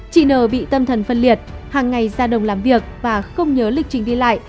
chị n bị tâm thần phân liệt hàng ngày ra đồng làm việc và không nhớ lịch trình đi lại